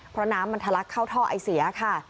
เพราะน้ำมันทะลักเข้าท่อไอเสียค่ะ